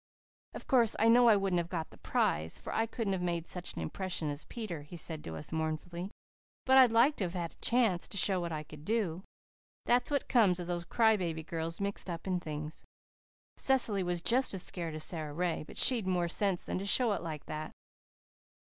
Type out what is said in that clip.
"Of course I know I wouldn't have got the prize, for I couldn't have made such an impression as Peter," he said to us mournfully, "but I'd like to have had a chance to show what I could do. That's what comes of having those cry baby girls mixed up in things. Cecily was just as scared as Sara Ray, but she'd more sense than to show it like that."